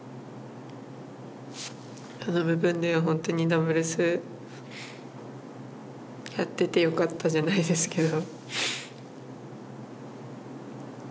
その部分では本当にダブルスやっててよかったじゃないですけど。